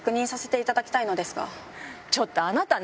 ちょっとあなたね。